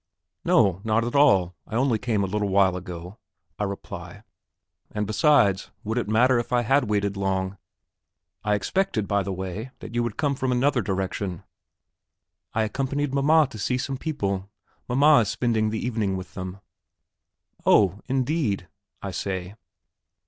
"No, not at all; I only came a little while ago," I reply. "And besides, would it matter if I had waited long? I expected, by the way, that you would come from another direction." "I accompanied mamma to some people. Mamma is spending the evening with them." "Oh, indeed," I say.